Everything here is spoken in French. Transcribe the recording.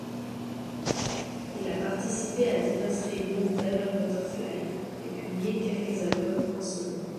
Il a participé à diverses réunions d'Iron Butterfly et publié quelques albums en solo.